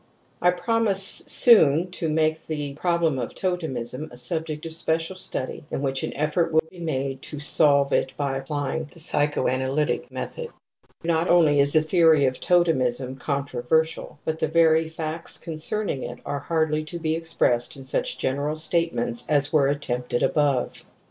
I promise soon to make the problem of totemism a subject of special study in which an effort will be made to solve it by apply ing the psychoanalytic method. (Cf. The fourth chapter of this work.) Not only is the theory of totemism controversial, but the very facts concerning it are hardly to be expressed in such general statements as were attempted above.